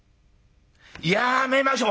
やめましょう」。